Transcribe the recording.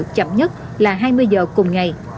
chậm nhất là hai mươi giờ cùng ngày